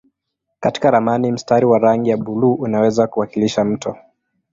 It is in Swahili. Katika ramani mstari wa rangi ya buluu unaweza kuwakilisha mto.